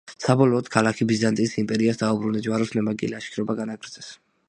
საბოლოოდ ქალაქი ბიზანტიის იმპერიას დაუბრუნდა, ჯვაროსნებმა კი ლაშქრობა განაგრძეს.